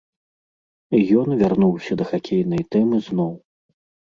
І ён вярнуўся да хакейнай тэмы зноў.